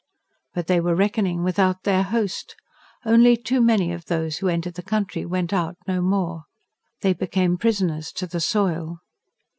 But they were reckoning without their host: only too many of those who entered the country went out no more. They became prisoners to the soil.